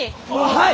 はい！